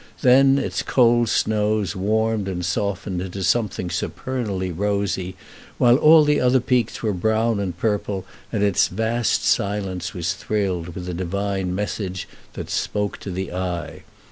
Then its cold snows warmed and softened into something supernally rosy, while all the other peaks were brown and purple, and its vast silence was thrilled with a divine message that spoke to the eye.